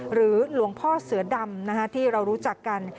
หรือหลวงพ่อเสือดำที่เรารู้จักกัน